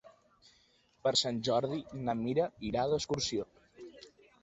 Per Sant Jordi na Mira irà d'excursió.